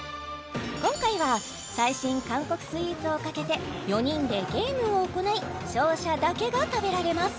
今回は最新韓国スイーツをかけて４人でゲームを行い勝者だけが食べられます